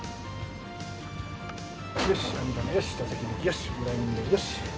網棚よし座席もよしブラインドよし。